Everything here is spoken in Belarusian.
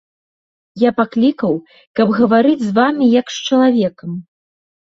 Я паклікаў, каб гаварыць з вамі як з чалавекам.